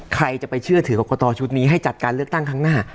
ใครจะไปเชื่อถือกรกตชุดนี้ให้จัดการเลือกตั้งครั้งหน้า